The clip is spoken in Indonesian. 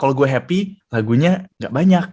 kalau gue happy lagunya gak banyak